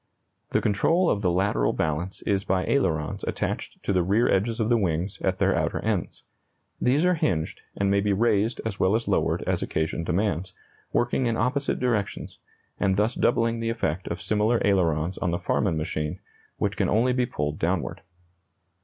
The control of the lateral balance is by ailerons attached to the rear edges of the wings at their outer ends. These are hinged, and may be raised as well as lowered as occasion demands, working in opposite directions, and thus doubling the effect of similar ailerons on the Farman machine, which can only be pulled downward.